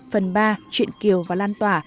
phần ba chuyện kiều và lan tỏa